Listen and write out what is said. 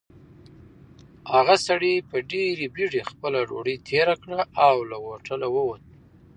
هغه سړي په ډېرې بېړۍ خپله ډوډۍ تېره کړه او له هوټله ووت.